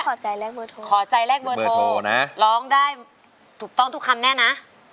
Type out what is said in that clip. ขอใจแรกเบอร์โทรขอใจแรกเบอร์โทรนะร้องได้ถูกต้องทุกคำแน่นะ